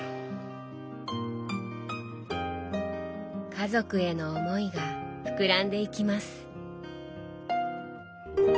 家族への思いが膨らんでいきます。